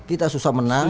kita susah menang